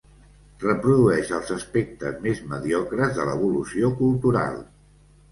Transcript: Reprodueix els aspectes més mediocres de l'evolució cultural.